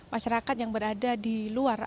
masyarakat yang berada di luar